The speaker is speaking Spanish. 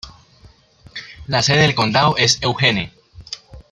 La sede del condado es Eugene.